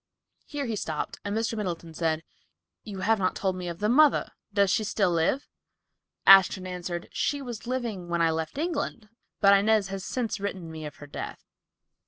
Here he stopped and Mr. Middleton said, "You have not told me of the mother. Does she still live?" Ashton answered, "She was living when I left England, but Inez has since written me of her death."